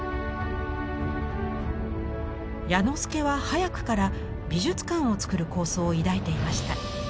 彌之助は早くから美術館を造る構想を抱いていました。